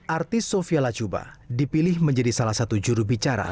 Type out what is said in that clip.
artis sofia lajuba dipilih menjadi salah satu juru bicara